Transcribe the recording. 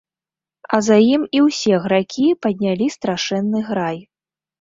А за ім і ўсе гракі паднялі страшэнны грай.